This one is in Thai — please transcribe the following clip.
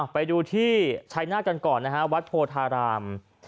ไปดูที่ชัยนาธกันก่อนนะฮะวัดโพธาราม